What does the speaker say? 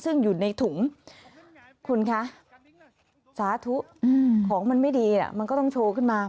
ซึ่งอยู่ในถุงคุณคะสาธุของมันไม่ดีมันก็ต้องโชว์ขึ้นมา